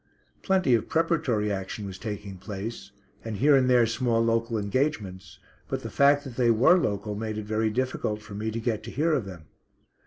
Plenty of preparatory action was taking place, and here and there small local engagements, but the fact that they were local made it very difficult for me to get to hear of them.